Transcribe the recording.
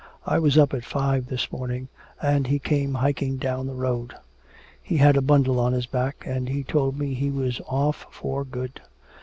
I was up at five this morning and he came hiking down the road! He had a bundle on his back and he told me he was off for good!